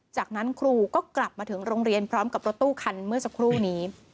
จากนั้นครูก็กลับมาถึงโรงเรียนพร้อมกับรถตู้คันเมื่อสักครู่นี้